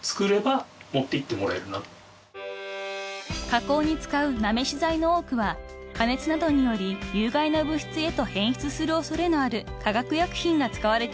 ［加工に使うなめし剤の多くは加熱などにより有害な物質へと変質する恐れのある科学薬品が使われています］